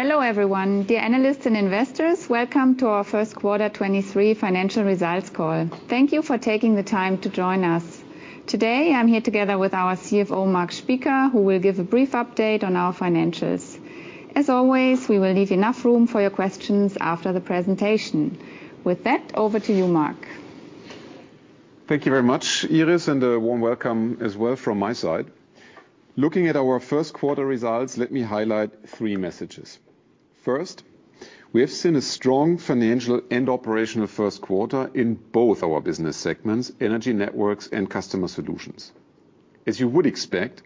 Hello, everyone, dear analysts and investors. Welcome to our Q1 2023 financial results call. Thank you for taking the time to join us. Today, I'm here together with our CFO, Marc Spieker, who will give a brief update on our financials. As always, we will leave enough room for your questions after the presentation. With that, over to you, Marc. Thank you very much, Iris, and a warm welcome as well from my side. Looking at our Q1 results, let me highlight three messages. First, we have seen a strong financial and operational Q1 in both our business segments, Energy Networks and Customer Solutions. As you would expect,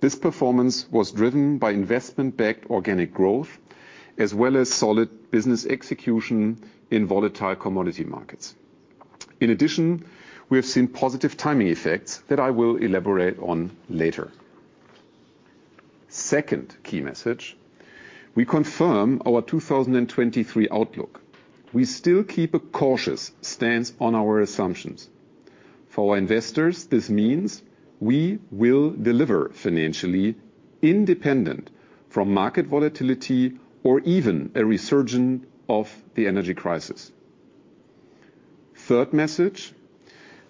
this performance was driven by investment-backed organic growth as well as solid business execution in volatile commodity markets. In addition, we have seen positive timing effects that I will elaborate on later. Second key message, we confirm our 2023 outlook. We still keep a cautious stance on our assumptions. For our investors, this means we will deliver financially independent from market volatility or even a resurgence of the energy crisis. Third message,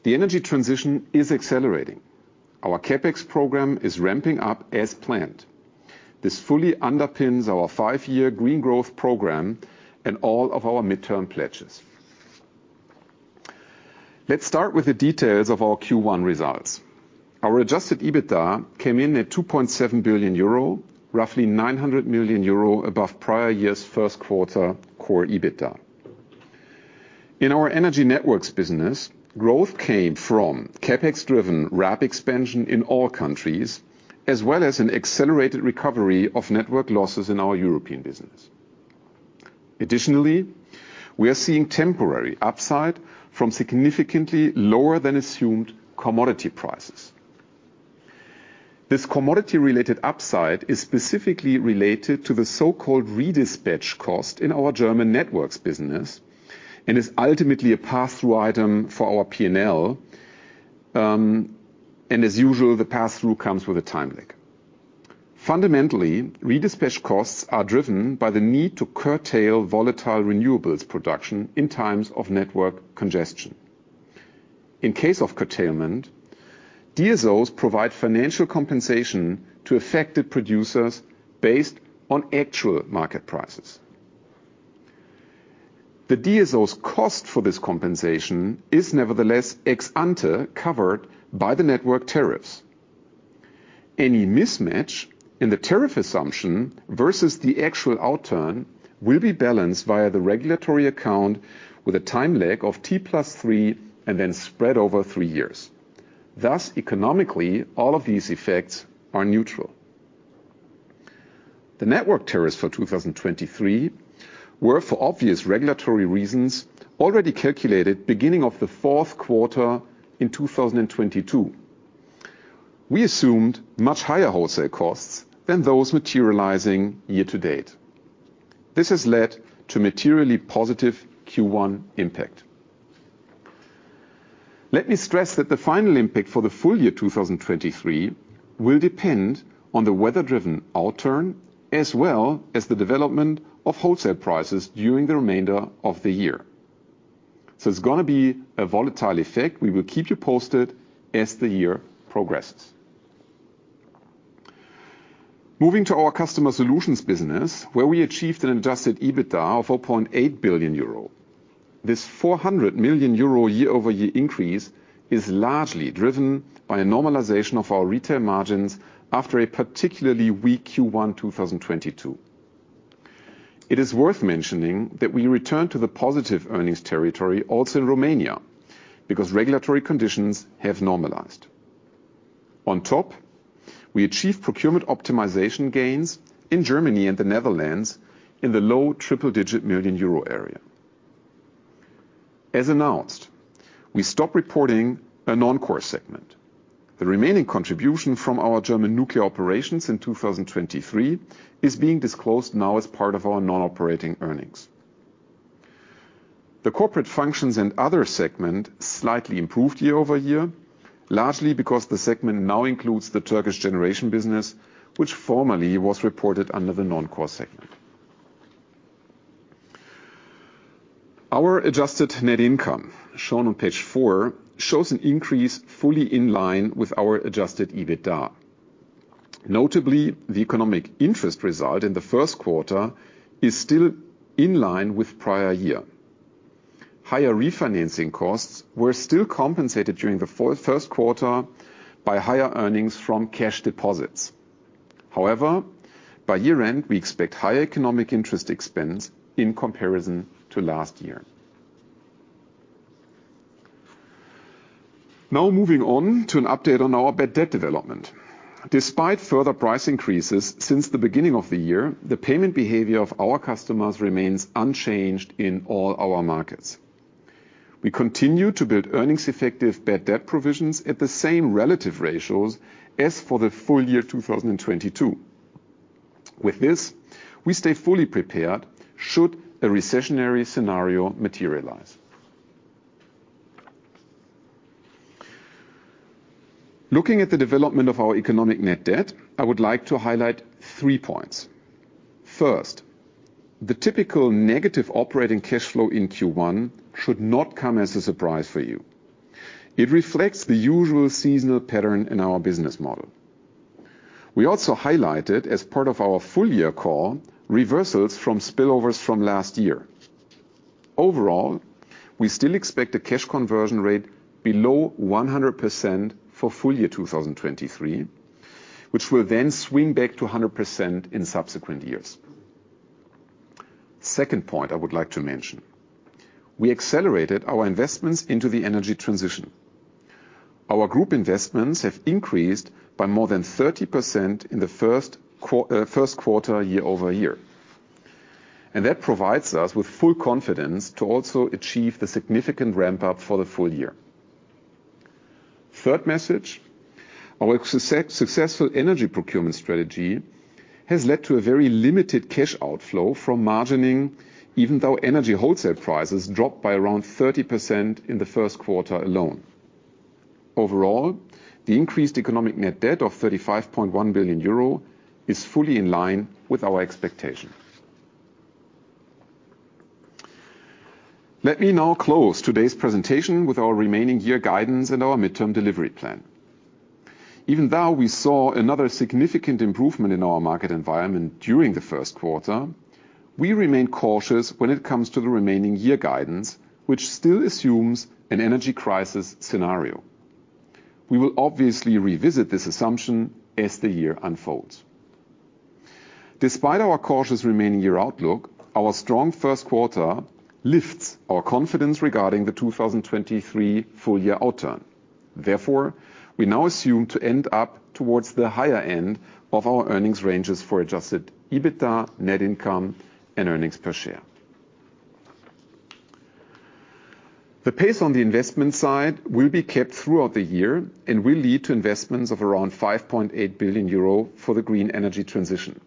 the energy transition is accelerating. Our CapEx program is ramping up as planned. This fully underpins our five-year green growth program and all of our midterm pledges. Let's start with the details of our Q1 results. Our adjusted EBITDA came in at 2.7 billion euro, roughly 900 million euro above prior year's Q1 core EBITDA. In our Energy Networks business, growth came from CapEx-driven RAB expansion in all countries, as well as an accelerated recovery of network losses in our European business. Additionally, we are seeing temporary upside from significantly lower than assumed commodity prices. This commodity-related upside is specifically related to the so-called redispatch cost in our German networks business and is ultimately a passthrough item for our P&L. As usual, the passthrough comes with a time lag. Fundamentally, redispatch costs are driven by the need to curtail volatile renewables production in times of network congestion. In case of curtailment, DSOs provide financial compensation to affected producers based on actual market prices. The DSO's cost for this compensation is nevertheless ex ante covered by the network tariffs. Any mismatch in the tariff assumption versus the actual outturn will be balanced via the regulatory account with a time lag of T+3 and then spread over 3 years. Economically, all of these effects are neutral. The network tariffs for 2023 were, for obvious regulatory reasons, already calculated beginning of the Q4 in 2022. We assumed much higher wholesale costs than those materializing year to date. This has led to materially positive Q1 impact. Let me stress that the final impact for the full year 2023 will depend on the weather-driven outturn as well as the development of wholesale prices during the remainder of the year. It's gonna be a volatile effect. We will keep you posted as the year progresses. Moving to our Customer Solutions business, where we achieved an adjusted EBITDA of 4.8 billion euro. This 400 million euro year-over-year increase is largely driven by a normalization of our retail margins after a particularly weak Q1 2022. It is worth mentioning that we returned to the positive earnings territory also in Romania because regulatory conditions have normalized. On top, we achieved procurement optimization gains in Germany and the Netherlands in the low triple-digit million EUR area. As announced, we stopped reporting a non-core segment. The remaining contribution from our German nuclear operations in 2023 is being disclosed now as part of our non-operating earnings. The corporate functions and other segment slightly improved year-over-year, largely because the segment now includes the Turkish generation business, which formerly was reported under the non-core segment. Our adjusted net income, shown on page 4, shows an increase fully in line with our adjusted EBITDA. Notably, the economic interest result in the Q1 is still in line with prior year. Higher refinancing costs were still compensated during the Q1 by higher earnings from cash deposits. However, by year-end, we expect higher economic interest expense in comparison to last year. Now moving on to an update on our bad debt development. Despite further price increases since the beginning of the year, the payment behavior of our customers remains unchanged in all our markets. We continue to build earnings-effective bad debt provisions at the same relative ratios as for the full year 2022. With this, we stay fully prepared should a recessionary scenario materialize. Looking at the development of our economic net debt, I would like to highlight three points. First, the typical negative operating cashflow in Q1 should not come as a surprise for you. It reflects the usual seasonal pattern in our business model. We also highlighted, as part of our full-year call, reversals from spillovers from last year. Overall, we still expect a cash conversion rate below 100% for full year 2023, which will then swing back to 100% in subsequent years. Second point I would like to mention, we accelerated our investments into the energy transition. Our group investments have increased by more than 30% in the Q1 year-over-year. That provides us with full confidence to also achieve the significant ramp up for the full year. Third message, our successful energy procurement strategy has led to a very limited cash outflow from margining, even though energy wholesale prices dropped by around 30% in the Q1 alone. Overall, the increased economic net debt of 35.1 billion euro is fully in line with our expectations. Let me now close today's presentation with our remaining year guidance and our midterm delivery plan. Even though we saw another significant improvement in our market environment during the Q1, we remain cautious when it comes to the remaining year guidance, which still assumes an energy crisis scenario. We will obviously revisit this assumption as the year unfolds. Despite our cautious remaining year outlook, our strong Q1 lifts our confidence regarding the 2023 full year outturn. Therefore, we now assume to end up towards the higher end of our earnings ranges for adjusted EBITDA, net income, and earnings per share. The pace on the investment side will be kept throughout the year and will lead to investments of around 5.8 billion euro for the green energy transition.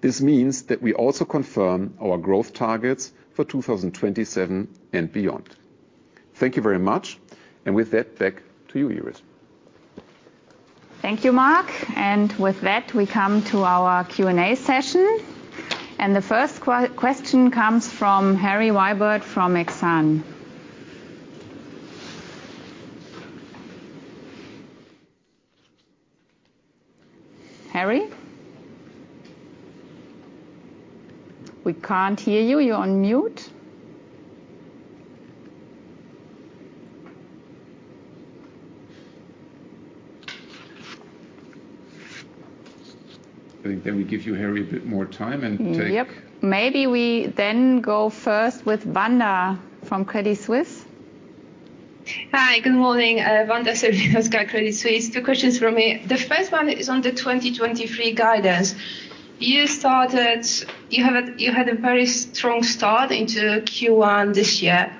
This means that we also confirm our growth targets for 2027 and beyond. Thank you very much. With that, back to you, Iris. Thank you, Marc. With that, we come to our Q&A session. The first question comes from Harry Wyburd from Exane. Harry? We can't hear you. You're on mute. I think we give you, Harry, a bit more time. Yep. Maybe we then go first with Wanda from Credit Suisse. Hi, good morning. Wanda Serwinowska, Credit Suisse. Two questions from me. The first one is on the 2023 guidance. You had a very strong start into Q1 this year.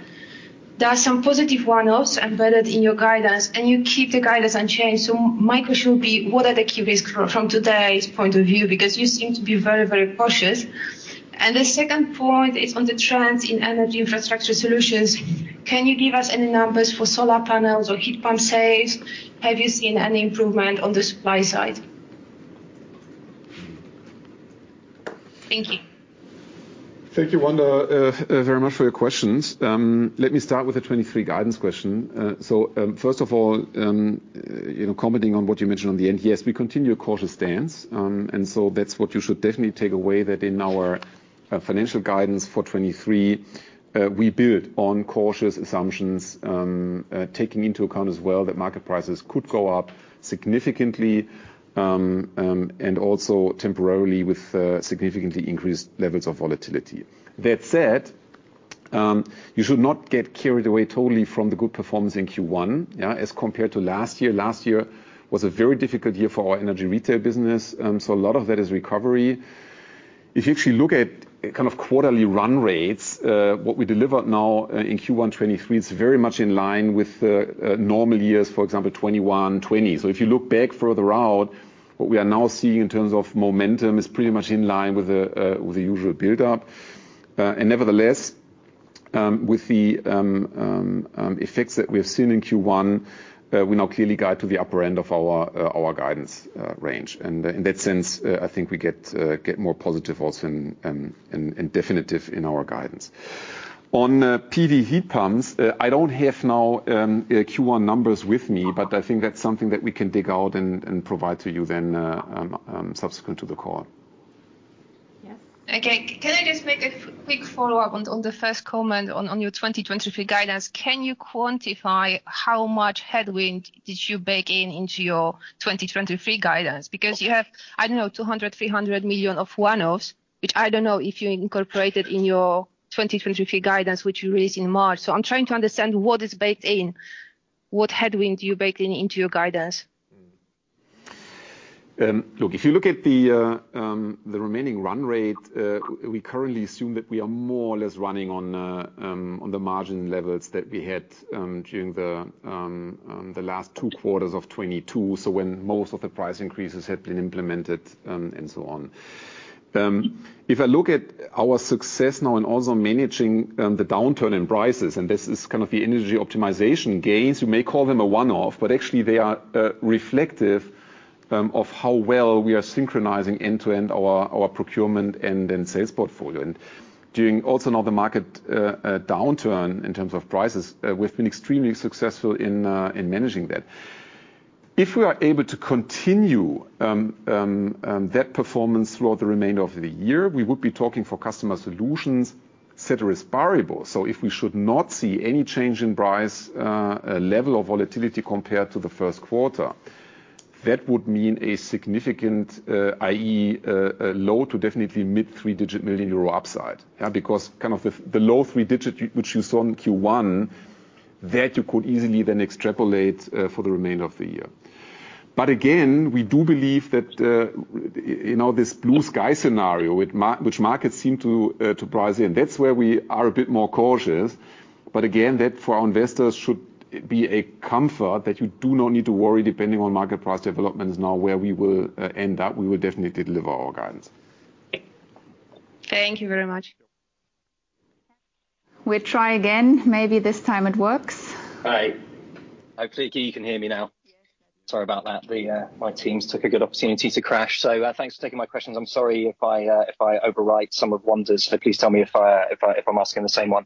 There are some positive one-offs embedded in your guidance, and you keep the guidance unchanged. My question would be, what are the key risks from today's point of view, because you seem to be very, very cautious? The second point is on the trends in Energy Infrastructure Solutions. Can you give us any numbers for solar panels or heat pump sales? Have you seen any improvement on the supply side? Thank you. Thank you, Wanda, very much for your questions. Let me start with the 23 guidance question. First of all, you know, commenting on what you mentioned on the NTS, we continue a cautious stance. That's what you should definitely take away that in our financial guidance for 23, we build on cautious assumptions, taking into account as well that market prices could go up significantly and also temporarily with significantly increased levels of volatility. That said, you should not get carried away totally from the good performance in Q1, yeah, as compared to last year. Last year was a very difficult year for our energy retail business, so a lot of that is recovery. If you actually look at kind of quarterly run rates, what we delivered now, in Q1 2023 is very much in line with the normal years, for example, 2021, 2020. If you look back further out, what we are now seeing in terms of momentum is pretty much in line with the usual build-up. Nevertheless, with the effects that we have seen in Q1, we now clearly guide to the upper end of our guidance range. In that sense, I think we get more positive also and definitive in our guidance. On PV heat pumps, I don't have now Q1 numbers with me, but I think that's something that we can dig out and provide to you then subsequent to the call. Yes. Okay. Can I just make a quick follow-up on the first comment on your 2023 guidance? Can you quantify how much headwind did you bake in into your 2023 guidance? You have, I don't know, 200 million, 300 million of one-offs, which I don't know if you incorporated in your 2023 guidance, which you raised in March. I'm trying to understand what is baked in. What headwind you baked in into your guidance? Look, if you look at the remaining run rate, we currently assume that we are more or less running on the margin levels that we had during the last two quarters of 2022, so when most of the price increases had been implemented, and so on. If I look at our success now in also managing the downturn in prices, and this is kind of the energy optimization gains. You may call them a one-off, but actually they are reflective of how well we are synchronizing end-to-end our procurement and then sales portfolio. During also now the market downturn in terms of prices, we've been extremely successful in managing that. If we are able to continue that performance throughout the remainder of the year, we would be talking for Customer Solutions, et cetera, is variable. If we should not see any change in price level of volatility compared to the Q1, that would mean a significant, i.e., low to definitely mid-3 digit million EUR upside. Yeah? Because kind of the low 3 digit which you saw in Q1, that you could easily then extrapolate for the remainder of the year. Again, we do believe that, you know, this blue sky scenario with which markets seem to price in, that's where we are a bit more cautious. Again, that for our investors should be a comfort that you do not need to worry depending on market price developments now where we will end up. We will definitely deliver our guidance. Thank you very much. We try again, maybe this time it works. Hi. Hopefully you can hear me now. Yes. Sorry about that. The my Teams took a good opportunity to crash. Thanks for taking my questions. I'm sorry if I overwrite some of Wanda's. Please tell me if I'm asking the same one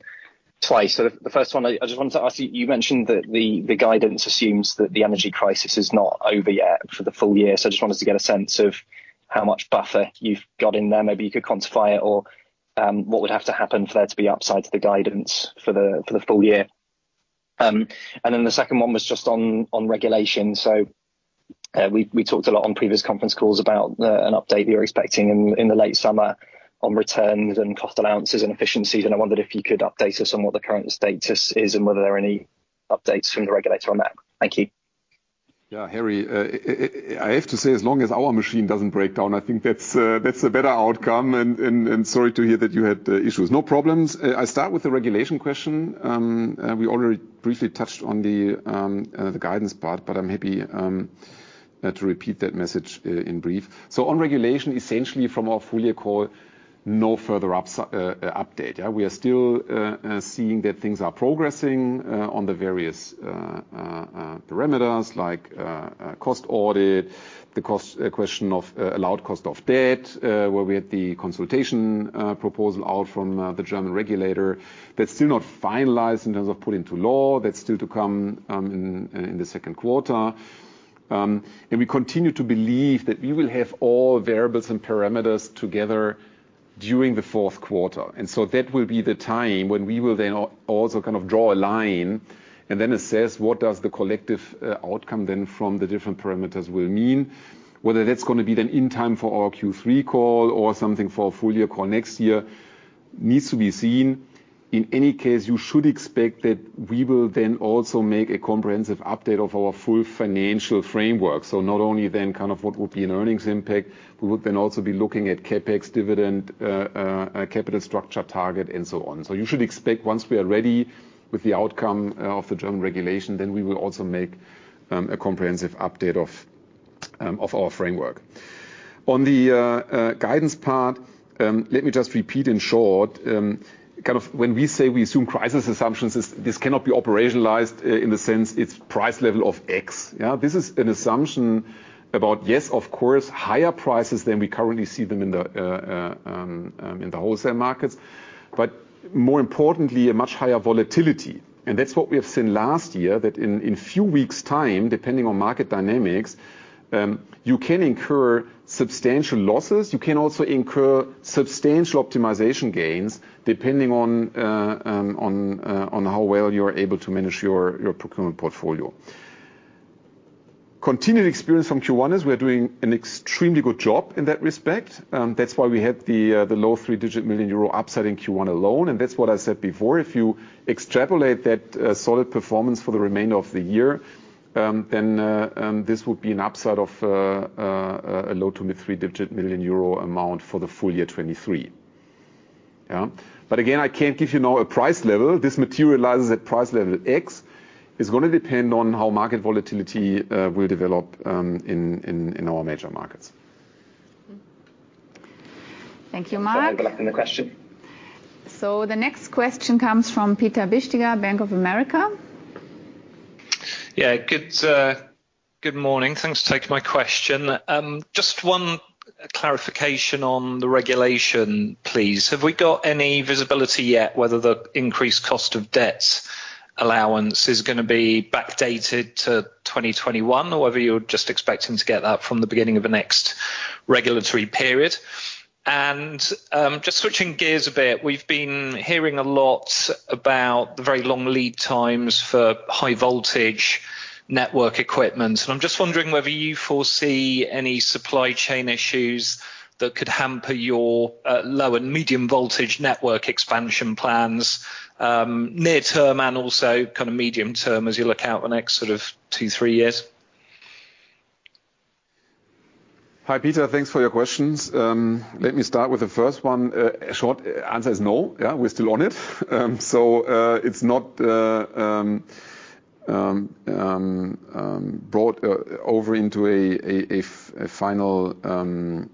twice. The first one I just wanted to ask you mentioned that the guidance assumes that the energy crisis is not over yet for the full year. I just wanted to get a sense of how much buffer you've got in there. Maybe you could quantify it or what would have to happen for there to be upside to the guidance for the full year. The second one was just on regulation. We talked a lot on previous conference calls about an update you're expecting in the late summer on returns and cost allowances and efficiencies, and I wondered if you could update us on what the current status is and whether there are any updates from the regulator on that. Thank you. Yeah, Harry, I have to say, as long as our machine doesn't break down, I think that's a better outcome. Sorry to hear that you had issues. No problems. I start with the regulation question. We already briefly touched on the guidance part, but I'm happy to repeat that message in brief. On regulation, essentially from our full year call, no further update, yeah? We are still seeing that things are progressing on the various parameters like cost audit. The cost question of allowed cost of debt, where we had the consultation proposal out from the German regulator. That's still not finalized in terms of put into law. That's still to come in the Q2. We continue to believe that we will have all variables and parameters together during the Q4. That will be the time when we will then also kind of draw a line and then assess what does the collective outcome then from the different parameters will mean. Whether that's gonna be then in time for our Q3 call or something for full year call next year needs to be seen. In any case, you should expect that we will then also make a comprehensive update of our full financial framework. Not only then kind of what would be an earnings impact, we would then also be looking at CapEx, dividend, a capital structure target, and so on. You should expect once we are ready with the outcome of the German regulation, then we will also make a comprehensive update of our framework. On the guidance part, let me just repeat in short. Kind of when we say we assume crisis assumptions, this cannot be operationalized in the sense it's price level of X. Yeah? This is an assumption about, yes, of course, higher prices than we currently see them in the wholesale markets, but more importantly, a much higher volatility. That's what we have seen last year, that in few weeks' time, depending on market dynamics, you can incur substantial losses. You can also incur substantial optimization gains depending on how well you're able to manage your procurement portfolio. Continued experience from Q1 is we are doing an extremely good job in that respect. That's why we had the low three-digit million EUR upside in Q1 alone, and that's what I said before. If you extrapolate that solid performance for the remainder of the year, then this would be an upside of a low to mid-three digit million EUR amount for the full year 2023. Again, I can't give you now a price level. This materializes at price level X. It's gonna depend on how market volatility will develop in our major markets. Thank you, Marc. Sorry for interrupting the question. The next question comes from Peter Bisztyga, Bank of America. Good morning. Thanks for taking my question. Just one clarification on the regulation, please. Have we got any visibility yet whether the increased cost of debt allowance is gonna be backdated to 2021, or whether you're just expecting to get that from the beginning of the next regulatory period? Just switching gears a bit, we've been hearing a lot about the very long lead times for high voltage network equipment. I'm just wondering whether you foresee any supply chain issues that could hamper your low and medium voltage network expansion plans, near term and also kind of medium term as you look out the next sort of two, three years? Hi, Peter. Thanks for your questions. Let me start with the first one. Short answer is no. Yeah? We're still on it. It's not brought over into a final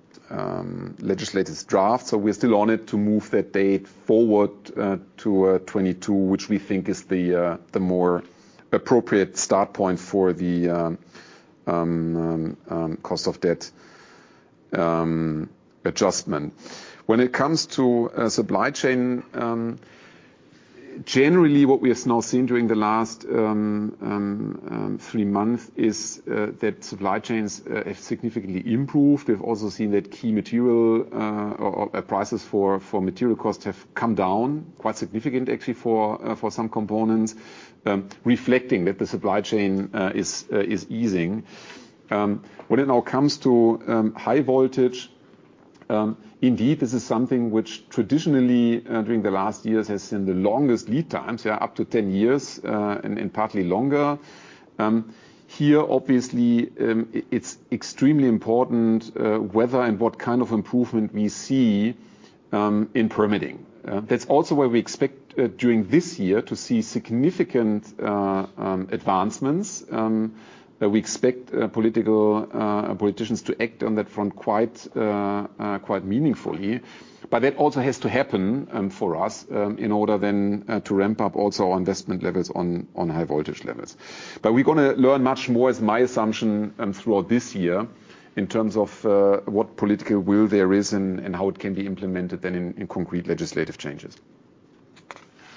legislative draft. We're still on it to move that date forward to 2022, which we think is the more appropriate start point for the cost of debt adjustment. When it comes to supply chain, generally what we have now seen during the last three months is that supply chains have significantly improved. We've also seen that key material or prices for material costs have come down, quite significant actually for some components, reflecting that the supply chain is easing. When it now comes to high voltage, indeed, this is something which traditionally during the last years has seen the longest lead times. They are up to 10 years, and partly longer. Here, obviously, it's extremely important whether and what kind of improvement we see in permitting. That's also where we expect during this year to see significant advancements. We expect political politicians to act on that front quite meaningfully. That also has to happen for us in order then to ramp up also our investment levels on high voltage levels. We're gonna learn much more, is my assumption, throughout this year in terms of, what political will there is and how it can be implemented then in concrete legislative changes.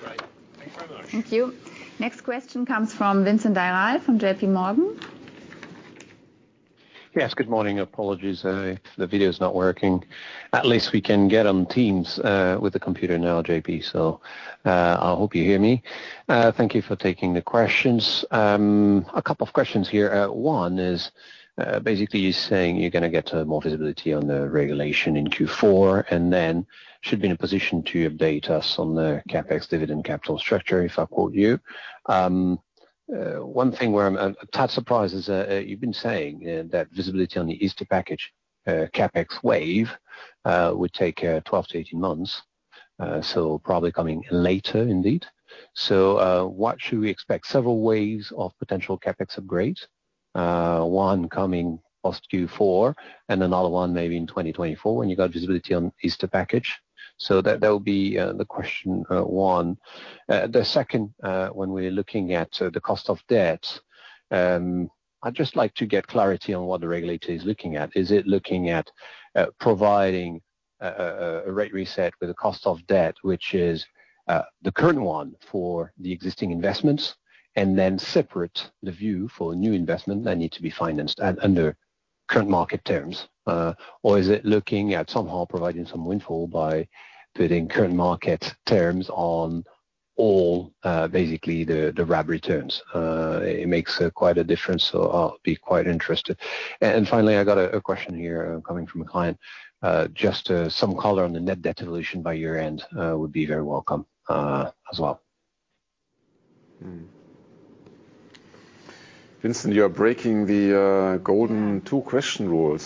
Great. Thanks very much. Thank you. Next question comes from Vincent Ayral from J.P. Morgan. Yes. Good morning. Apologies, the video's not working. At least we can get on Teams with the computer now, J.P., so I hope you hear me. Thank you for taking the questions. A couple of questions here. One is, basically you're saying you're gonna get more visibility on the regulation in Q4, and then should be in a position to update us on the CapEx dividend capital structure, if I quote you. One thing where I'm a tad surprised is, you've been saying that visibility on the Easter Package CapEx wave would take 12 to 18 months, so probably coming later indeed. What should we expect? Several waves of potential CapEx upgrades, one coming post Q4, and another one maybe in 2024 when you got visibility on Easter Package. That would be the question 1. The second, when we're looking at the cost of debt, I'd just like to get clarity on what the regulator is looking at. Is it looking at providing a rate reset with the cost of debt, which is the current one for the existing investments and then separate the view for new investment that need to be financed under current market terms? Or is it looking at somehow providing some windfall by putting current market terms on all basically the RAB returns? It makes quite a difference, so I'll be quite interested. Finally, I got a question here coming from a client. Just some color on the net debt evolution by your end would be very welcome as well. Vincent, you are breaking the 2 question rule.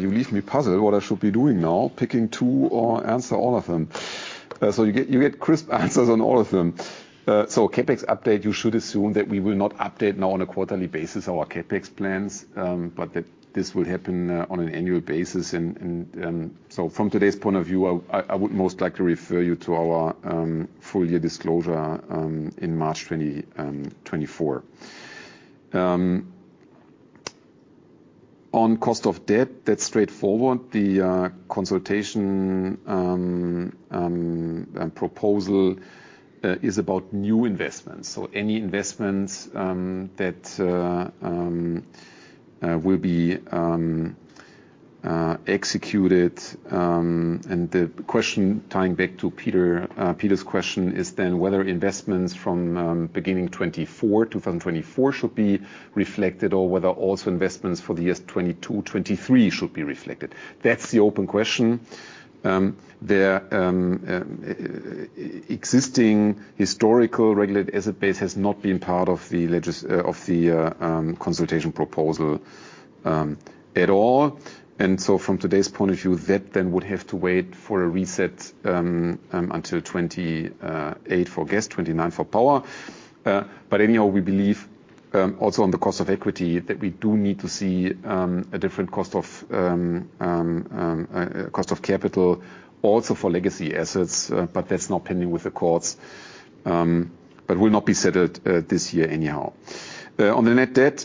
You leave me puzzled what I should be doing now, picking 2 or answer all of them. You get crisp answers on all of them. CapEx update, you should assume that we will not update now on a quarterly basis our CapEx plans, but that this will happen on an annual basis. From today's point of view, I would most likely refer you to our full year disclosure in March 2024. On cost of debt, that's straightforward. The consultation proposal is about new investments. Any investments that will be executed. The question tying back to Peter's question is then whether investments from beginning 2024 should be reflected or whether also investments for the years 2022, 2023 should be reflected. That's the open question. The existing historical regulated asset base has not been part of the consultation proposal at all. From today's point of view, that then would have to wait for a reset until 2028 for gas, 2029 for power. Anyhow, we believe also on the cost of equity that we do need to see a different cost of capital also for legacy assets, that's now pending with the courts, will not be settled this year anyhow. On the net debt,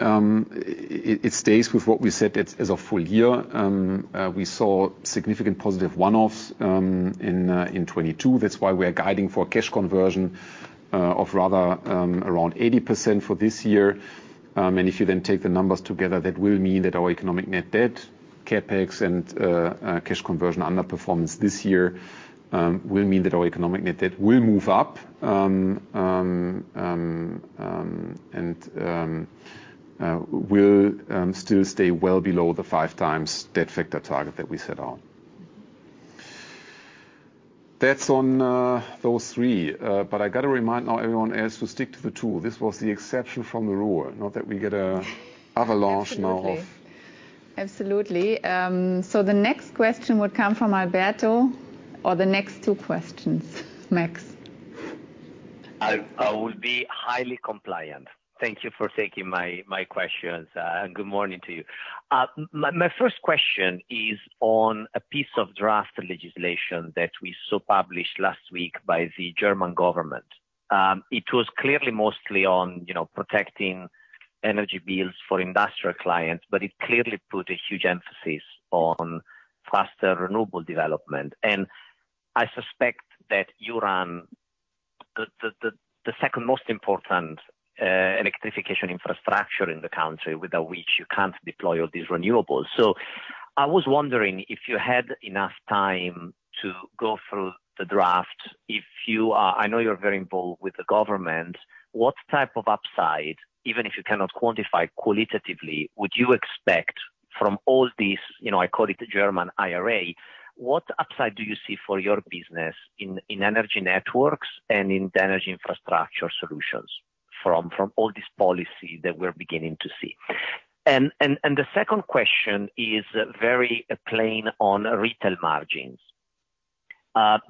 it stays with what we said. As of full year, we saw significant positive one-offs in 2022. That's why we are guiding for cash conversion of rather around 80% for this year. If you then take the numbers together, that will mean that our economic net debt CapEx and cash conversion underperformance this year will mean that our economic net debt will move up and will still stay well below the five times debt factor target that we set out. That's on those three. I gotta remind now everyone else to stick to the two. This was the exception from the rule, not that we get a avalanche now. Absolutely. The next question would come from Alberto, or the next 2 questions max. I will be highly compliant. Thank you for taking my questions, and good morning to you. My first question is on a piece of draft legislation that we saw published last week by the German government. It was clearly mostly on, you know, protecting energy bills for industrial clients, but it clearly put a huge emphasis on faster renewable development. I suspect that you run the second most important electrification infrastructure in the country, without which you can't deploy all these renewables. I was wondering if you had enough time to go through the draft. I know you're very involved with the government. What type of upside, even if you cannot quantify qualitatively, would you expect from all this, you know, I call it the German IRA, what upside do you see for your business in Energy Networks and in the Energy Infrastructure Solutions from all this policy that we're beginning to see? The second question is very plain on retail margins.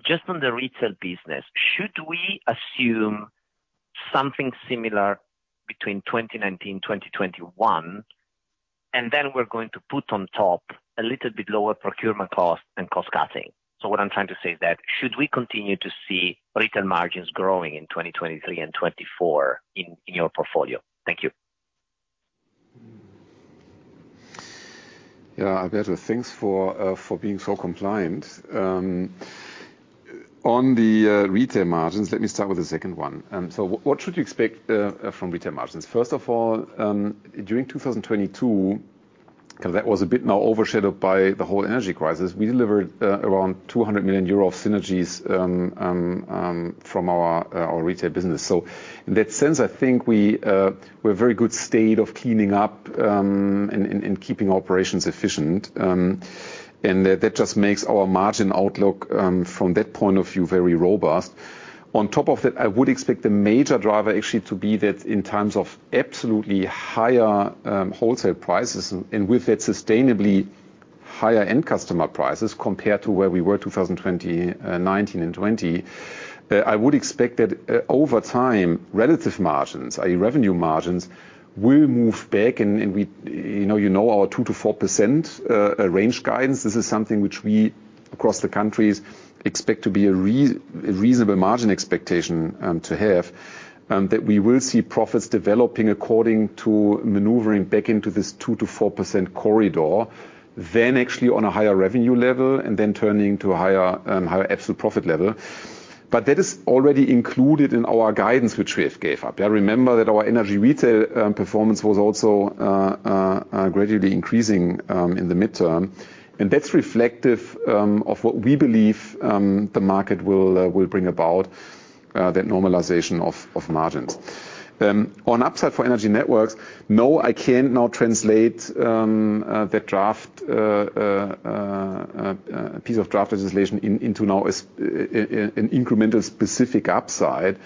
Just on the retail business, should we assume something similar between 2019, 2021, and then we're going to put on top a little bit lower procurement cost and cost-cutting? What I'm trying to say is that should we continue to see retail margins growing in 2023 and 2024 in your portfolio? Thank you. Yeah, Alberto, thanks for being so compliant. On the retail margins, let me start with the second one. What should you expect from retail margins? First of all, during 2022, 'cause that was a bit now overshadowed by the whole energy crisis, we delivered around 200 million euro of synergies from our retail business. In that sense, I think we're in very good state of cleaning up and keeping operations efficient. That just makes our margin outlook from that point of view, very robust. On top of it, I would expect the major driver actually to be that in times of absolutely higher wholesale prices, and with that sustainably higher end customer prices compared to where we were 2020, 2019 and 2020. I would expect that over time, relative margins, i.e., revenue margins, will move back and you know our 2%-4% range guidance. This is something which we, across the countries, expect to be a reasonable margin expectation to have. That we will see profits developing according to maneuvering back into this 2%-4% corridor, then actually on a higher revenue level, and then turning to a higher absolute profit level. That is already included in our guidance, which we have gave up. Yeah, remember that our energy retail performance was also gradually increasing in the mid-term. That's reflective of what we believe the market will bring about that normalization of margins. On upside for Energy Networks, no, I can't now translate that draft piece of draft legislation into now as an incremental specific upside.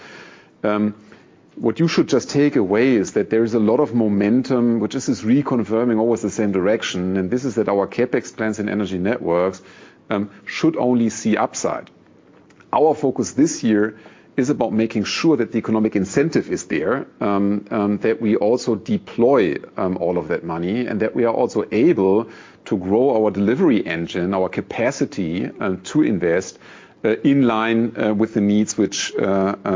What you should just take away is that there is a lot of momentum, which is just reconfirming always the same direction, and this is that our CapEx plans and Energy Networks should only see upside. Our focus this year is about making sure that the economic incentive is there, that we also deploy all of that money, and that we are also able to grow our delivery engine, our capacity to invest in line with the needs which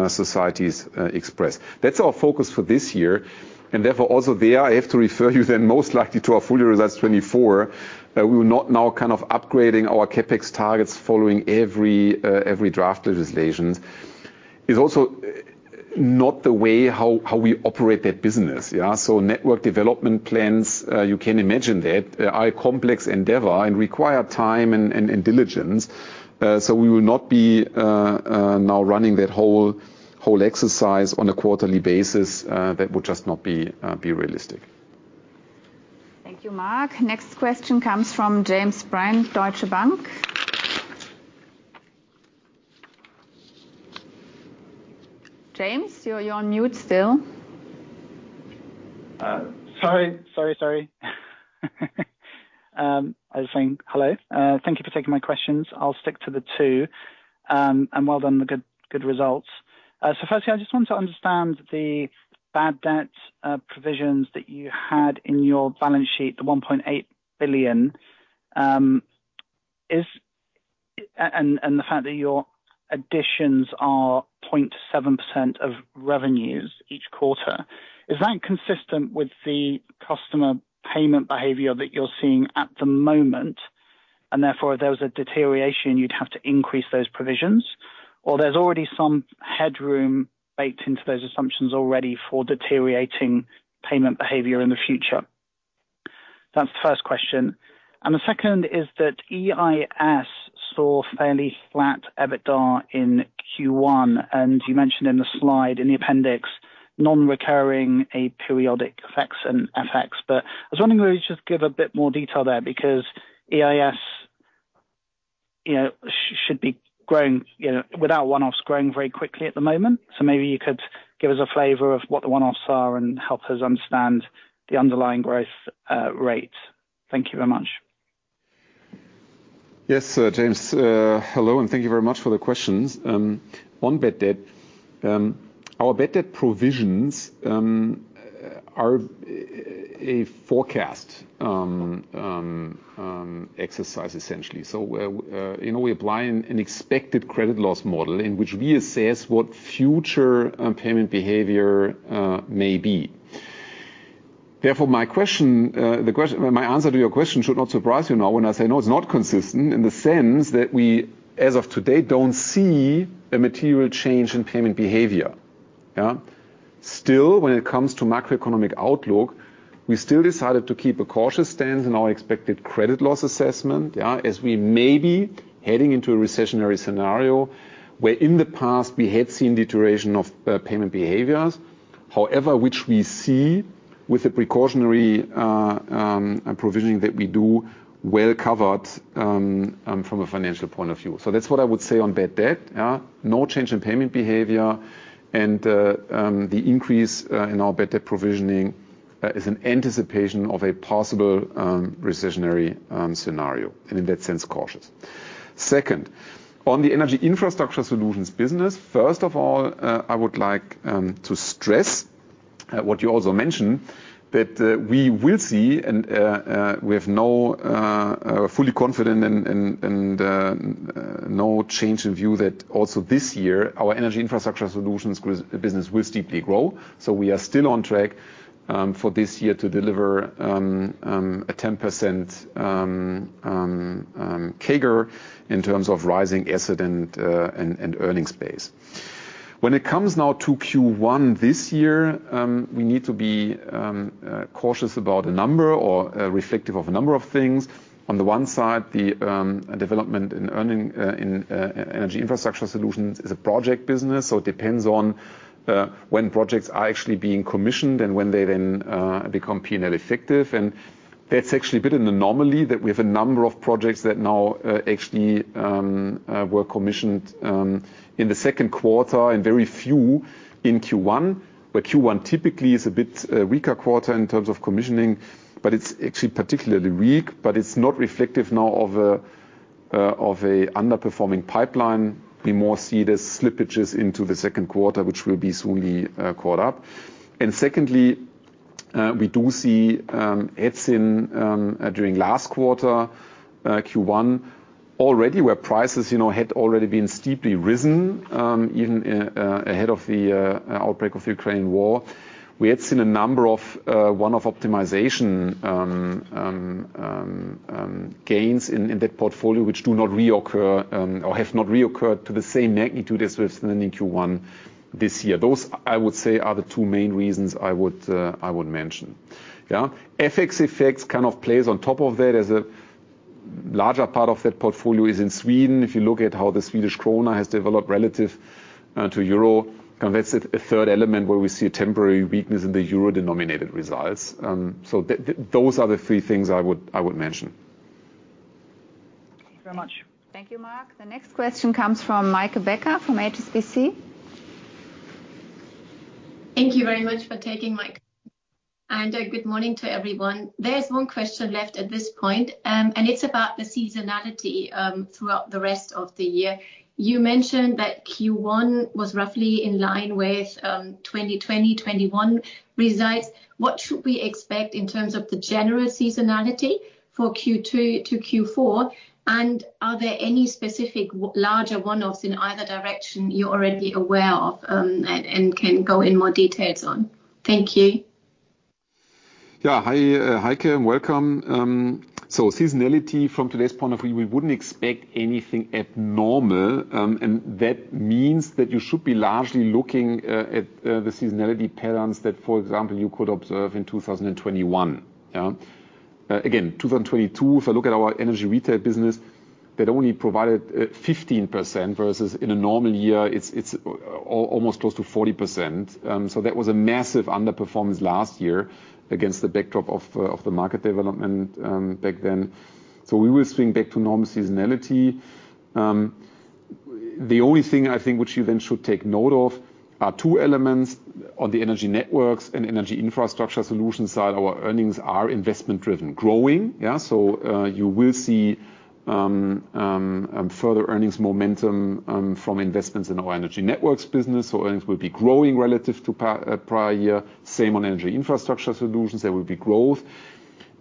societies express. That's our focus for this year. Therefore also there I have to refer you then most likely to our full year results 2024. We will not now kind of upgrading our CapEx targets following every draft legislations. It's also not the way how we operate that business, yeah? Network development plans, you can imagine that are a complex endeavor and require time and diligence. We will not be now running that whole exercise on a quarterly basis. That would just not be realistic. Thank you, Marc. Next question comes from James Brand, Deutsche Bank. James, you're on mute still. Sorry. I was saying hello. Thank you for taking my questions. I'll stick to the two. Well done on the good results. Firstly, I just want to understand the bad debt provisions that you had in your balance sheet, the 1.8 billion. The fact that your additions are 0.7% of revenues each quarter, is that consistent with the customer payment behavior that you're seeing at the moment, and therefore if there was a deterioration, you'd have to increase those provisions? There's already some headroom baked into those assumptions already for deteriorating payment behavior in the future? That's the first question. The second is that EIS saw fairly flat EBITDA in Q1, and you mentioned in the slide in the appendix non-recurring, aperiodic effects and FX. I was wondering whether you could just give a bit more detail there because EIS. You know, should be growing, you know, without one-offs growing very quickly at the moment. Maybe you could give us a flavor of what the one-offs are and help us understand the underlying growth rate. Thank you very much. Yes, James. Hello, and thank you very much for the questions. On bad debt, our bad debt provisions are a forecast exercise essentially. Where, you know, we apply an expected credit loss model in which we assess what future payment behavior may be. Therefore, my answer to your question should not surprise you now when I say, no, it's not consistent in the sense that we, as of today, don't see a material change in payment behavior. Yeah. When it comes to macroeconomic outlook, we still decided to keep a cautious stance in our expected credit loss assessment, as we may be heading into a recessionary scenario where in the past we had seen deterioration of payment behaviors. However, which we see with the precautionary provisioning that we do, well-covered from a financial point of view. That's what I would say on bad debt, yeah. No change in payment behavior. The increase in our bad debt provisioning is an anticipation of a possible recessionary scenario, and in that sense, cautious. Second, on the Energy Infrastructure Solutions business, first of all, I would like to stress what you also mentioned, that we will see and we have no fully confident and no change in view that also this year our Energy Infrastructure Solutions business will steeply grow. We are still on track for this year to deliver a 10% CAGR in terms of rising asset and earnings base. When it comes now to Q1 this year, we need to be cautious about a number or reflective of a number of things. On the one side, the development in Energy Infrastructure Solutions is a project business, so it depends on when projects are actually being commissioned and when they then become P&L effective. That's actually a bit of an anomaly that we have a number of projects that now actually were commissioned in the Q2 and very few in Q1. Q1 typically is a bit weaker quarter in terms of commissioning, but it's actually particularly weak. It's not reflective now of an underperforming pipeline. We more see it as slippages into the Q2, which will be soonly caught up. Secondly, we do see it's in during last quarter, Q1 already, where prices, you know, had already been steeply risen, even ahead of the outbreak of Ukraine War. We had seen a number of one-off optimization gains in that portfolio, which do not reoccur or have not reoccurred to the same magnitude as was in Q1 this year. Those, I would say, are the 2 main reasons I would mention. Yeah. FX effects kind of plays on top of that, as a larger part of that portfolio is in Sweden. If you look at how the Swedish krona has developed relative to euro, kind of that's a third element where we see a temporary weakness in the euro-denominated results. Those are the three things I would mention. Thank you very much. Thank you, Marc. The next question comes from Meike Becker from HSBC. Thank you very much for taking my call. Good morning to everyone. There is one question left at this point, and it's about the seasonality throughout the rest of the year. You mentioned that Q1 was roughly in line with 2020, 2021 results. What should we expect in terms of the general seasonality for Q2 to Q4? Are there any specific larger one-offs in either direction you're already aware of, and can go in more details on? Thank you. Yeah. Hi, Meike, welcome. Seasonality from today's point of view, we wouldn't expect anything abnormal. That means that you should be largely looking at the seasonality patterns that, for example, you could observe in 2021. Yeah? Again, 2022, if I look at our energy retail business, that only provided 15% versus in a normal year it's almost close to 40%. That was a massive underperformance last year against the backdrop of the market development back then. We will swing back to normal seasonality. The only thing I think which you then should take note of are two elements. On the Energy Networks and Energy Infrastructure Solutions side, our earnings are investment-driven, growing. Yeah. You will see further earnings momentum from investments in our Energy Networks business. Earnings will be growing relative to prior year. Same on Energy Infrastructure Solutions, there will be growth.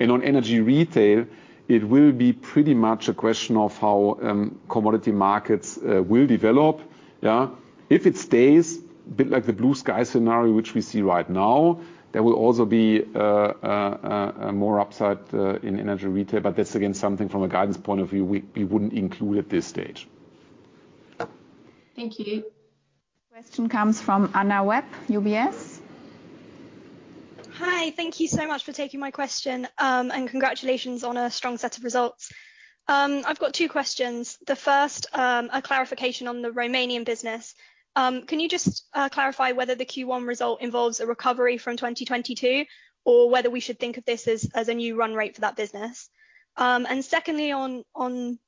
On energy retail, it will be pretty much a question of how commodity markets will develop. Yeah. If it stays a bit like the blue sky scenario, which we see right now, there will also be a more upside in energy retail. That's again, something from a guidance point of view we wouldn't include at this stage. Thank you. Question comes from Anna Webb, UBS. Hi, thank you so much for taking my question. Congratulations on a strong set of results. I've got two questions. A clarification on the Romanian business. Can you just clarify whether the Q1 result involves a recovery from 2022, or whether we should think of this as a new run rate for that business? Secondly on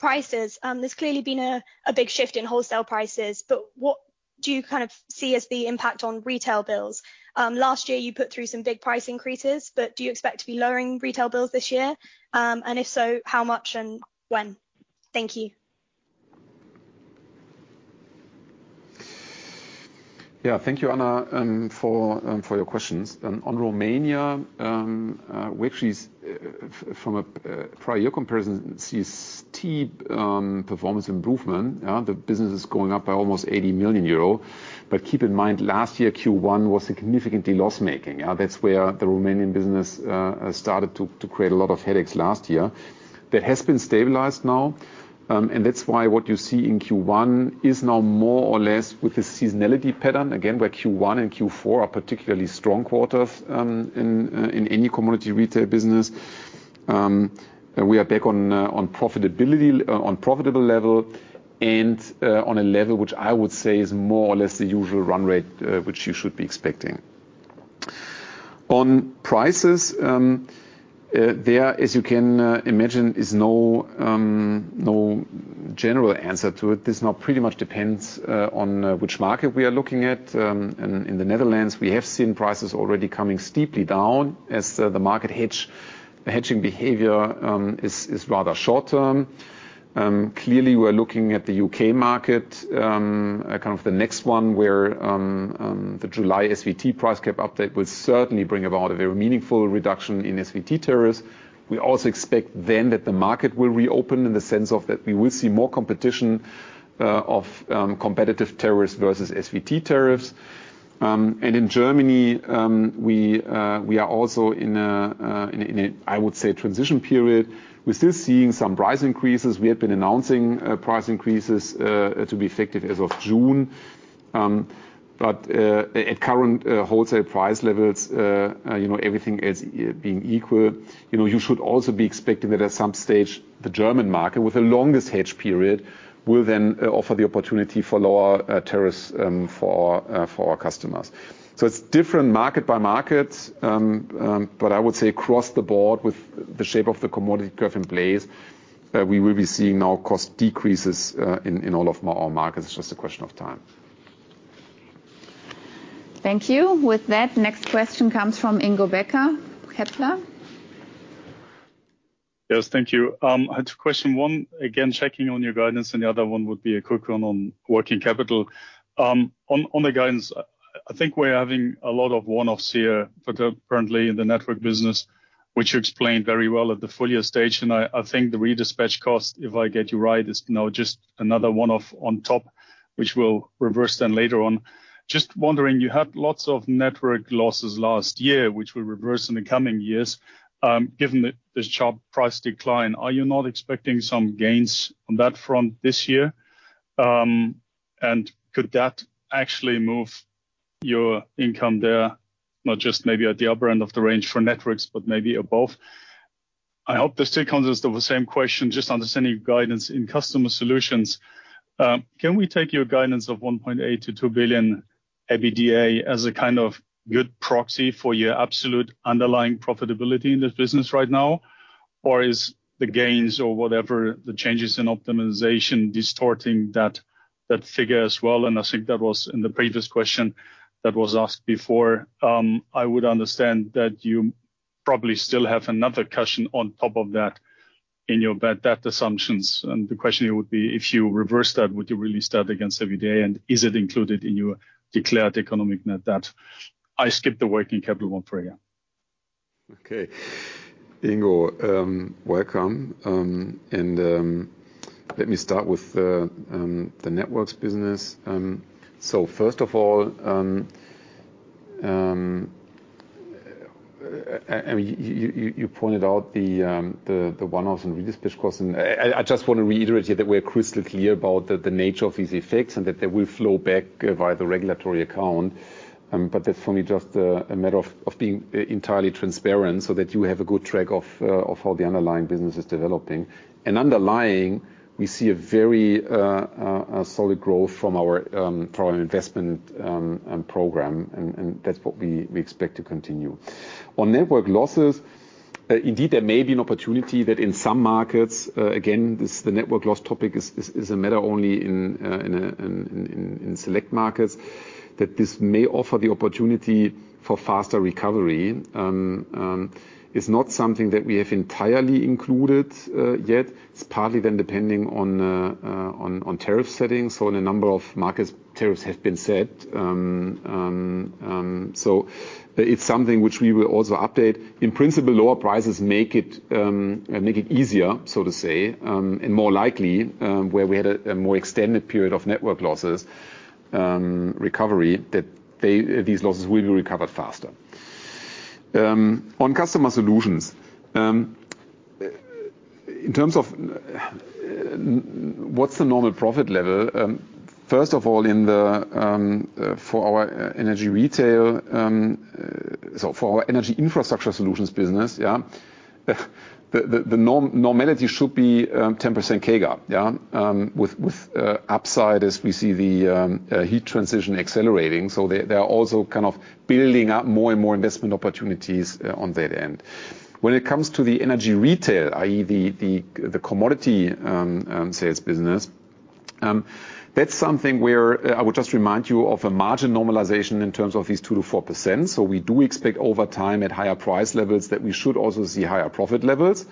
prices, there's clearly been a big shift in wholesale prices. What do you kind of see as the impact on retail bills? Last year you put through some big price increases, but do you expect to be lowering retail bills this year? If so, how much and when? Thank you. Yeah. Thank you, Anna, for your questions. On Romania, which is from a prior year comparison sees steep performance improvement. The business is going up by almost 80 million euro. Keep in mind, last year Q1 was significantly loss-making. That's where the Romanian business started to create a lot of headaches last year. That has been stabilized now, and that's why what you see in Q1 is now more or less with the seasonality pattern, again, where Q1 and Q4 are particularly strong quarters in any commodity retail business. We are back on profitability, on profitable level and on a level which I would say is more or less the usual run rate, which you should be expecting. On prices, there, as you can imagine, is no general answer to it. This now pretty much depends on which market we are looking at. In the Netherlands, we have seen prices already coming steeply down as the market hedging behavior is rather short term. Clearly, we're looking at the U.K. market, kind of the next one where the July SVT price cap update will certainly bring about a very meaningful reduction in SVT tariffs. We also expect then that the market will reopen in the sense of that we will see more competition of competitive tariffs versus SVT tariffs. In Germany, we are also in a, I would say, transition period. We're still seeing some price increases. We have been announcing price increases to be effective as of June. At current wholesale price levels, you know, everything else being equal, you know, you should also be expecting that at some stage, the German market, with the longest hedge period, will then offer the opportunity for lower tariffs for our customers. It's different market by market. I would say across the board with the shape of the commodity curve in place, we will be seeing now cost decreases in all of our markets. It's just a question of time. Thank you. With that, next question comes from Ingo Becker, Kepler. Yes. Thank you. I had a question, one, again, checking on your guidance, and the other one would be a quick one on working capital. On, on the guidance, I think we're having a lot of one-offs here for the, currently in the network business, which you explained very well at the full year stage. And I think the redispatch cost, if I get you right, is now just another one-off on top, which will reverse then later on. Just wondering, you had lots of network losses last year, which will reverse in the coming years. Given the sharp price decline, are you not expecting some gains on that front this year? And could that actually move your income there, not just maybe at the upper end of the range for networks, but maybe above? I hope this still consists of the same question, just understanding your guidance in Customer Solutions. Can we take your guidance of 1.8 - 2 billion EBITDA as a kind of good proxy for your absolute underlying profitability in this business right now? Or is the gains or whatever the changes in optimization distorting that figure as well? I think that was in the previous question that was asked before. I would understand that you probably still have another cushion on top of that in your bad debt assumptions. The question here would be, if you reverse that, would you release that against EBITDA? Is it included in your declared economic net debt? I skipped the working capital one for you. Okay. Ingo, welcome. Let me start with the networks business. First of all, I mean, you pointed out the one-offs and redispatch costs, and I just wanna reiterate here that we're crystal clear about the nature of these effects and that they will flow back via the regulatory account. That's only just a matter of being entirely transparent so that you have a good track of how the underlying business is developing. Underlying, we see a very a solid growth from our from our investment program, and that's what we expect to continue. On network losses, indeed, there may be an opportunity that in some markets, again, the network loss topic is a matter only in select markets, that this may offer the opportunity for faster recovery. It's not something that we have entirely included yet. It's partly then depending on tariff settings. In a number of markets, tariffs have been set. It's something which we will also update. In principle, lower prices make it easier, so to say, and more likely, where we had a more extended period of network losses, recovery that these losses will be recovered faster. On Customer Solutions, in terms of what's the normal profit level. First of all, in the for our energy retail, so for our Energy Infrastructure Solutions business, yeah? Normality should be 10% CAGR, yeah? With upside as we see the heat transition accelerating. They're also kind of building up more and more investment opportunities on that end. When it comes to the energy retail, i.e., the commodity sales business, that's something where I would just remind you of a margin normalization in terms of these 2%-4%. We do expect over time at higher price levels that we should also see higher profit levels.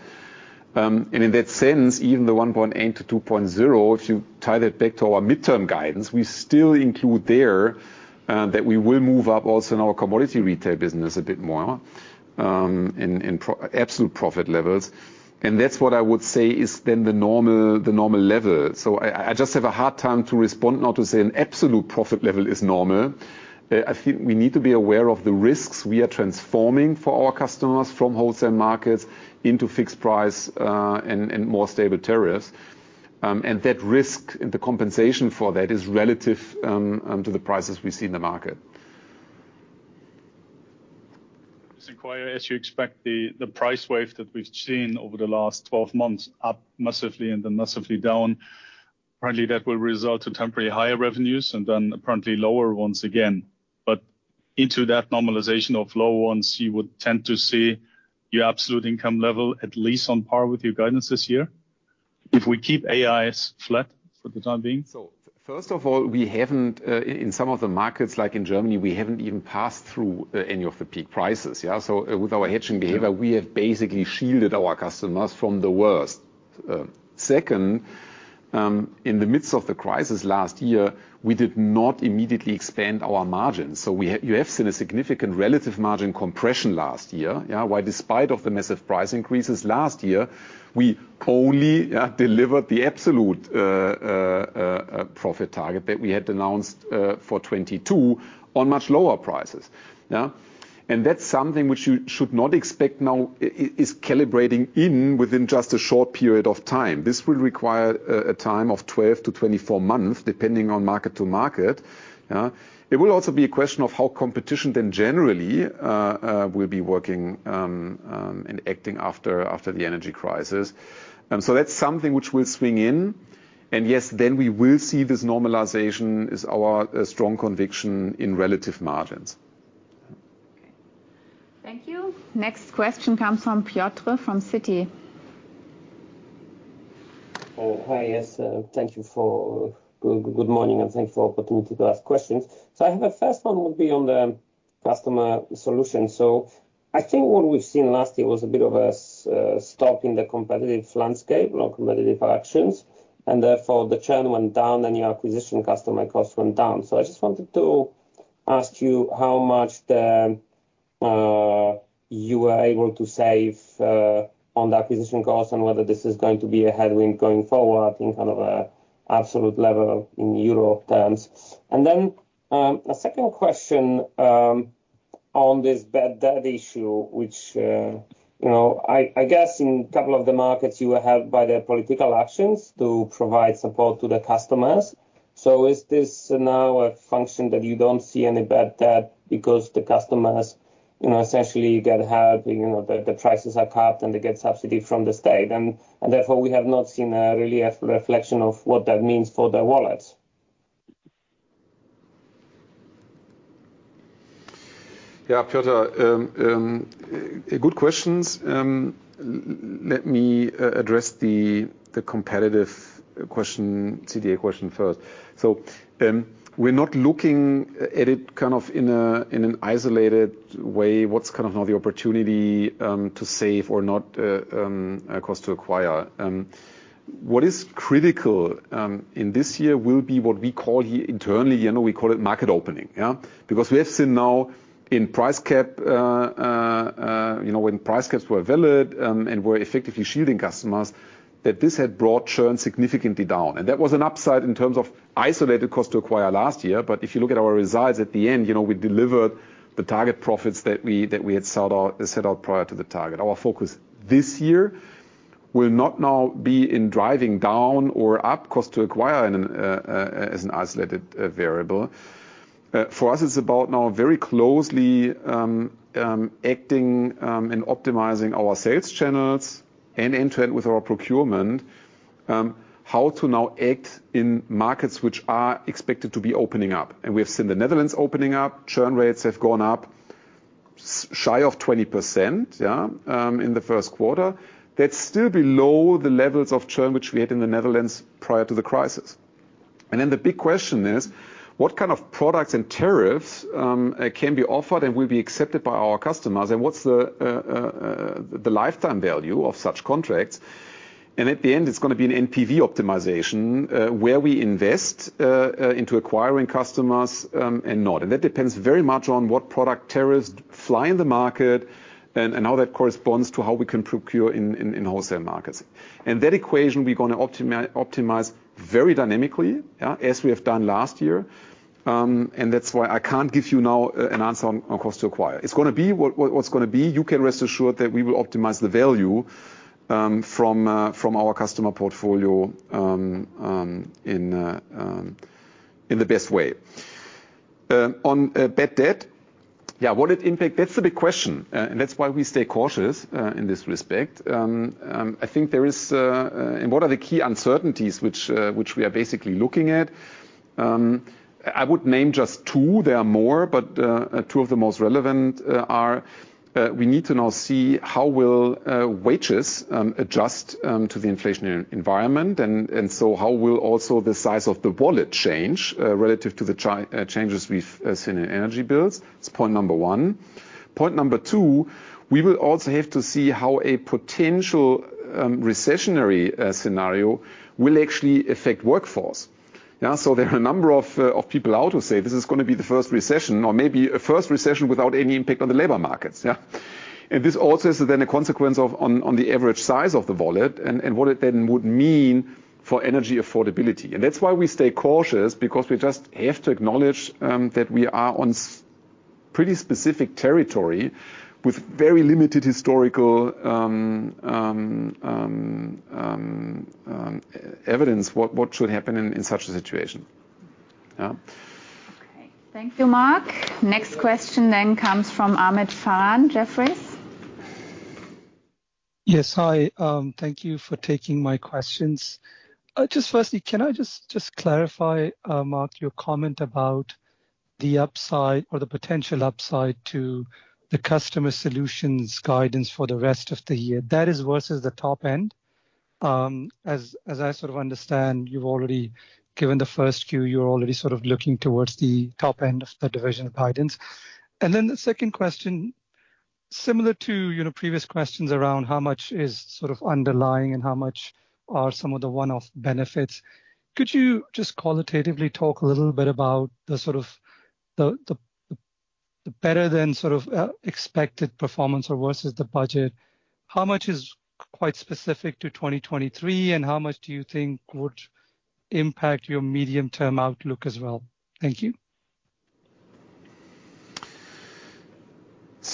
In that sense, even the 1.8 - 2 billion, if you tie that back to our midterm guidance, we still include there, that we will move up also in our commodity retail business a bit more, in absolute profit levels. That's what I would say is then the normal, the normal level. I just have a hard time to respond not to say an absolute profit level is normal. I think we need to be aware of the risks we are transforming for our customers from wholesale markets into fixed price, and more stable tariffs. That risk and the compensation for that is relative to the prices we see in the market. Just inquire, as you expect the price wave that we've seen over the last 12 months up massively and then massively down, currently that will result to temporary higher revenues and then apparently lower once again. Into that normalization of low ones, you would tend to see your absolute income level, at least on par with your guidance this year if we keep AIS flat for the time being. First of all, we haven't, in some of the markets like in Germany, we haven't even passed through any of the peak prices, yeah? with our hedging behavior- Sure. We have basically shielded our customers from the worst. Second, in the midst of the crisis last year, we did not immediately expand our margins. You have seen a significant relative margin compression last year. Why despite of the massive price increases last year, we only delivered the absolute profit target that we had announced for 2022 on much lower prices. That's something which you should not expect now is calibrating in within just a short period of time. This will require a time of 12-24 months, depending on market to market. It will also be a question of how competition then generally will be working and acting after the energy crisis. That's something which will swing in. Yes, we will see this normalization is our strong conviction in relative margins. Okay. Thank you. Next question comes from Piotr from Citi. Hi, yes. Thank you for good morning, and thanks for opportunity to ask questions. I have a first one will be on the Customer Solutions. I think what we've seen last year was a bit of a stop in the competitive landscape, non-competitive actions, and therefore the churn went down and your acquisition customer cost went down. I just wanted to ask you how much you are able to save on the acquisition costs and whether this is going to be a headwind going forward, I think kind of a absolute level in euro terms. a second question on this bad debt issue, which, you know, I guess in a couple of the markets you were helped by the political actions to provide support to the customers. Is this now a function that you don't see any bad debt because the customers, you know, essentially get help, you know, the prices are capped and they get subsidy from the state, therefore we have not seen a really a reflection of what that means for their wallets? Yeah, Piotr, good questions. Let me address the competitive question, CDA question first. We're not looking at it kind of in a, in an isolated way, what's kind of now the opportunity to save or not a cost to acquire. What is critical in this year will be what we call here internally, you know, we call it market opening, yeah? We have seen now in price cap, you know, when price caps were valid and were effectively shielding customers, that this had brought churn significantly down. That was an upside in terms of isolated cost to acquire last year. If you look at our results at the end, you know, we delivered the target profits that we had sold out, set out prior to the target. Our focus this year will not now be in driving down or up cost to acquire in an as an isolated variable. For us, it's about now very closely acting and optimizing our sales channels and interact with our procurement, how to now act in markets which are expected to be opening up. We have seen the Netherlands opening up. Churn rates have gone up shy of 20%, yeah, in the Q1. That's still below the levels of churn which we had in the Netherlands prior to the crisis. Then the big question is: What kind of products and tariffs can be offered and will be accepted by our customers? What's the lifetime value of such contracts? At the end, it's gonna be an NPV optimization, where we invest into acquiring customers, and not. That depends very much on what product tariffs fly in the market and how that corresponds to how we can procure in wholesale markets. That equation we're gonna optimize very dynamically, yeah, as we have done last year. That's why I can't give you now an answer on cost to acquire. It's gonna be what's gonna be. You can rest assured that we will optimize the value from our customer portfolio in the best way. On bad debt, yeah, will it impact? That's the big question. That's why we stay cautious in this respect. I think there is... What are the key uncertainties which we are basically looking at? I would name just two. There are more, but two of the most relevant are, we need to now see how will wages adjust to the inflationary environment. How will also the size of the wallet change relative to the changes we've seen in energy bills? That's point number one. Point number two, we will also have to see how a potential recessionary scenario will actually affect workforce. There are a number of people out who say this is gonna be the first recession or maybe a first recession without any impact on the labor markets. This also is then a consequence of on the average size of the wallet and what it then would mean for energy affordability. That's why we stay cautious because we just have to acknowledge that we are on pretty specific territory with very limited historical evidence what should happen in such a situation. Yeah. Okay. Thank you, Marc. Next question comes from Ahmed Saad, Jefferies. Yes. Hi, thank you for taking my questions. Just firstly, can I just clarify, Marc, your comment about the upside or the potential upside to the Customer Solutions guidance for the rest of the year? That is versus the top end. As I sort of understand, you've already given the first Q. You're already sort of looking towards the top end of the division guidance. The second question, similar to, you know, previous questions around how much is sort of underlying and how much are some of the one-off benefits, could you just qualitatively talk a little bit about the sort of the better than sort of expected performance or versus the budget? How much is quite specific to 2023, and how much do you think would impact your medium term outlook as well? Thank you.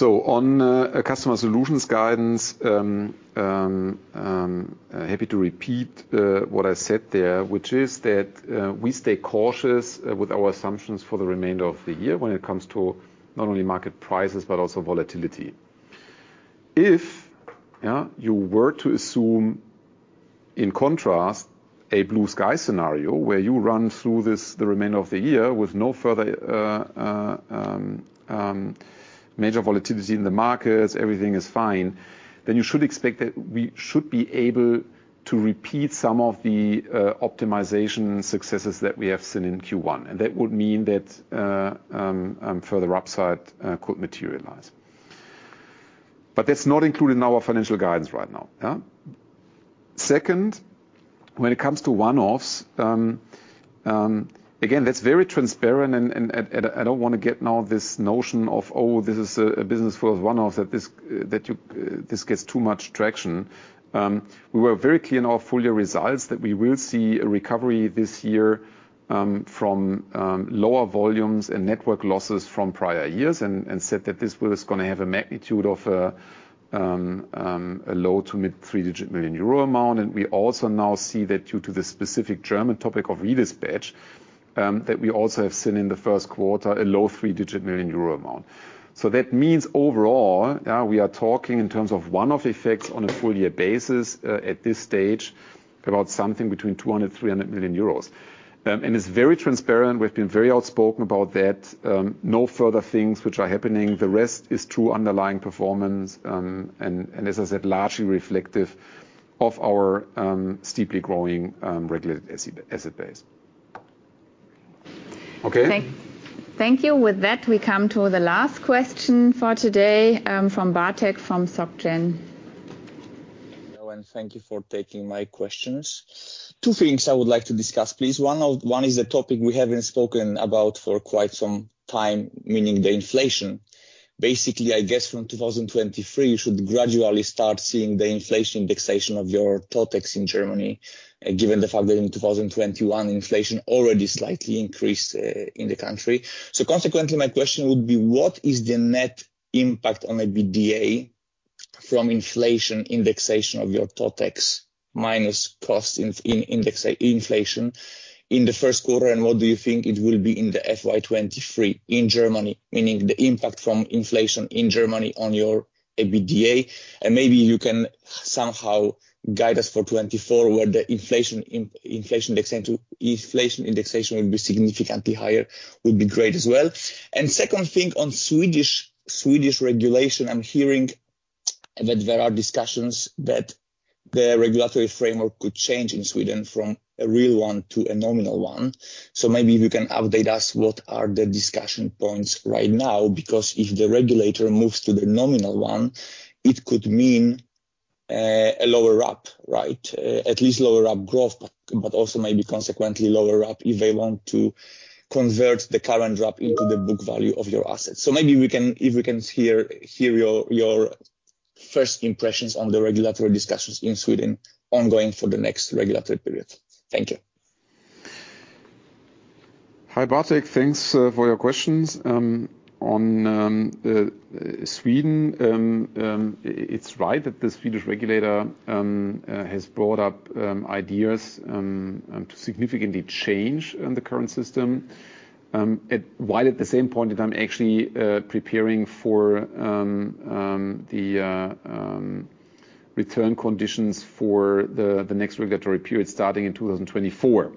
On Customer Solutions guidance, happy to repeat what I said there, which is that we stay cautious with our assumptions for the remainder of the year when it comes to not only market prices but also volatility. If, yeah, you were to assume, in contrast, a blue-sky scenario where you run through this, the remainder of the year with no further major volatility in the markets, everything is fine, then you should expect that we should be able to repeat some of the optimization successes that we have seen in Q1, and that would mean that further upside could materialize. That's not included in our financial guidance right now, yeah? Second, when it comes to one-offs, again, that's very transparent and I don't wanna get now this notion of, oh, this is a business full of one-offs, that this gets too much traction. We were very clear in our full year results that we will see a recovery this year from lower volumes and network losses from prior years, and said that this was gonna have a magnitude of a low to mid 3-digit million euro amount. We also now see that due to the specific German topic of redispatch, that we also have seen in the Q1 a low 3-digit million euro amount. That means overall, yeah, we are talking in terms of one-off effects on a full-year basis, at this stage about something between 200 - 300 million. It's very transparent. We've been very outspoken about that. No further things which are happening. The rest is true underlying performance, and as I said, largely reflective of our steeply growing Regulated Asset Base. Okay. Thank you. With that, we come to the last question for today, from Bartek from SocGen. Hello. Thank you for taking my questions. 2 things I would like to discuss, please. One is a topic we haven't spoken about for quite some time, meaning the inflation. Basically, I guess from 2023, you should gradually start seeing the inflation indexation of your totex in Germany, given the fact that in 2021, inflation already slightly increased in the country. Consequently, my question would be what is the net impact on EBITDA from inflation indexation of your totex minus costs in index inflation in the Q1? What do you think it will be in the FY 2023 in Germany, meaning the impact from inflation in Germany on your EBITDA? Maybe you can somehow guide us for 2024, where the inflation indexation will be significantly higher, would be great as well. Second thing on Swedish regulation, I'm hearing that there are discussions that the regulatory framework could change in Sweden from a real one to a nominal one. Maybe you can update us what are the discussion points right now because if the regulator moves to the nominal one, it could mean a lower up, right? At least lower up growth, but also maybe consequently lower up if they want to convert the current drop into the book value of your assets. Maybe we can, if we can hear your first impressions on the regulatory discussions in Sweden ongoing for the next regulatory period. Thank you. Hi Bartek, thanks for your questions. On Sweden, it's right that the Swedish regulator has brought up ideas to significantly change in the current system. While at the same point in time actually preparing for the return conditions for the next regulatory period starting in 2024.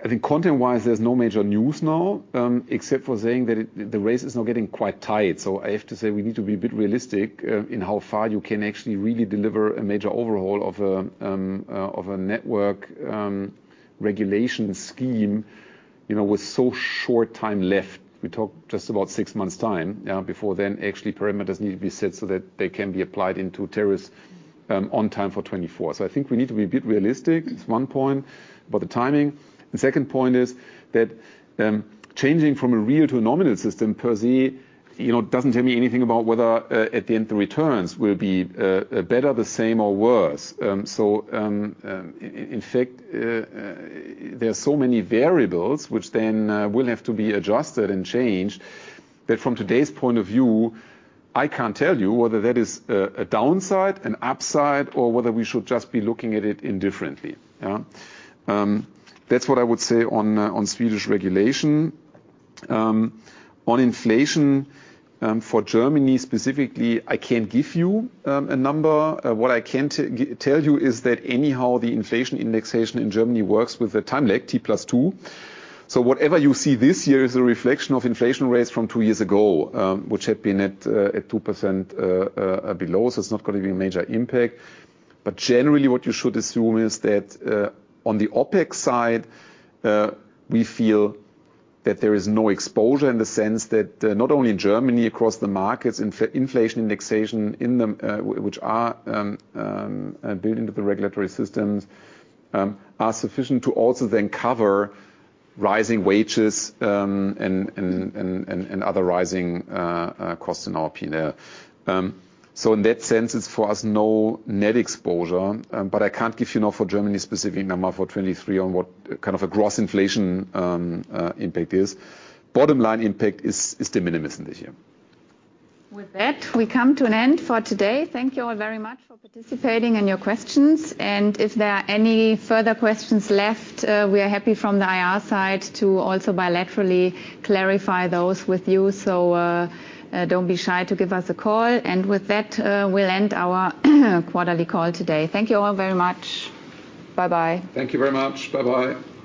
I think content-wise there's no major news now, except for saying that it, the race is now getting quite tight. I have to say we need to be a bit realistic in how far you can actually really deliver a major overhaul of a network regulation scheme, you know, with so short time left. We talk just about 6 months' time, before then actually parameters need to be set so that they can be applied into tariffs, on time for 2024. I think we need to be a bit realistic, that's 1 point, about the timing. The 2nd point is that, changing from a real to a nominal system per se, you know, doesn't tell me anything about whether at the end the returns will be better, the same or worse. In fact, there are so many variables which then will have to be adjusted and changed, that from today's point of view, I can't tell you whether that is a downside, an upside, or whether we should just be looking at it indifferently. Yeah? That's what I would say on Swedish regulation. On inflation, for Germany specifically, I can't give you a number. What I can tell you is that anyhow the inflation indexation in Germany works with a time lag, T+2. Whatever you see this year is a reflection of inflation rates from 2 years ago, which had been at 2% below, so it's not gonna be a major impact. Generally, what you should assume is that on the OpEx side, we feel that there is no exposure in the sense that not only in Germany, across the markets, inflation indexation in them, which are built into the regulatory systems, are sufficient to also then cover rising wages and other rising costs in our P&L. In that sense it's for us no net exposure, but I can't give you now for Germany specific number for 2023 on what kind of a gross inflation impact is. Bottom line impact is de minimis in this year. With that, we come to an end for today. Thank you all very much for participating and your questions, and if there are any further questions left, we are happy from the IR side to also bilaterally clarify those with you. Don't be shy to give us a call. With that, we'll end our quarterly call today. Thank you all very much. Bye-bye. Thank you very much. Bye-bye.